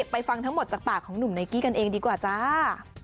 ไปฟังทั้งหมดจากปากของหนุ่มไนกี้กันเองดีกว่าจ้า